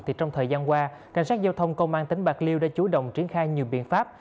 thì trong thời gian qua cảnh sát giao thông công an tỉnh bạc liêu đã chủ động triển khai nhiều biện pháp